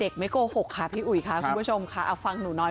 ไม่โกหกค่ะพี่อุ๋ยค่ะคุณผู้ชมค่ะเอาฟังหนูน้อย